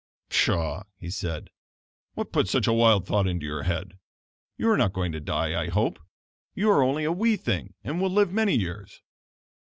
"Pshaw!" he said, "what put such a wild thought into your head? You are not going to die, I hope. You are only a wee thing and will live many years."